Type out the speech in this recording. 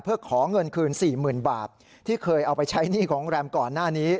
เพื่อขอเงินคืน๔๐๐๐บาทที่เคยเอาไปใช้หนี้ของแรมก่อนหน้านี้